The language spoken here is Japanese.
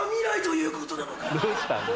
どうしたんだ？